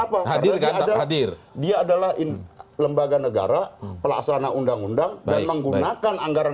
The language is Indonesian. apa hadir hadir dia adalah in lembaga negara pelaksana undang undang baik menggunakan anggaran